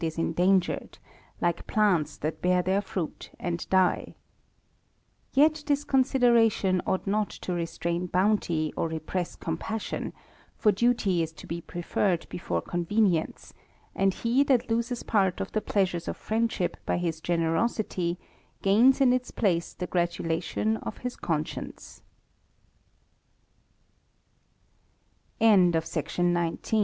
95 is endangered, like plants that bear their fruit and die.* Yet this consideration ought not to restrain bounty, or repress compassion ; for duty is to be preferred before con venience, and he that loses part of the pleasures of friend ship by his generosity, gains in its place the gratulation of his